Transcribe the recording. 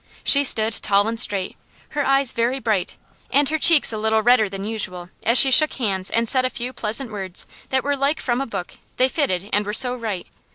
She stood tall and straight, her eyes very bright, and her cheeks a little redder than usual, as she shook hands and said a few pleasant words that were like from a book, they fitted and were so right.